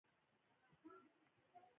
کار هغه چا وکړو، چا چي عمل وکړ.